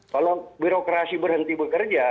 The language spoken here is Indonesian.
kalau birokrasi berhenti bekerja